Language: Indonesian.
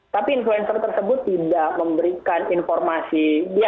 tapi influencer tersebut tidak memberikan informasi